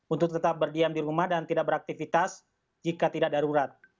untuk tetap berdiam di rumah dan tidak beraktivitas jika tidak darurat